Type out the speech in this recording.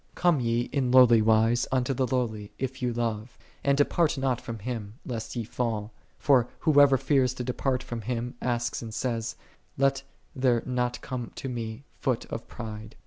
Come ye in lowly wise unto the Lowly, if ye love: and depart not from Him, lest ye fall. For whoso fears to depart from Him asks and says, " Let there not come to me foot of pride."